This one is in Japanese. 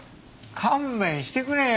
勘弁してくれよ。